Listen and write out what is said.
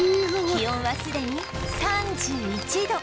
気温はすでに３１度